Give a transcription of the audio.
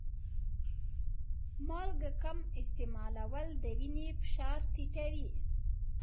مالګه کم استعمالول د وینې فشار ټیټوي.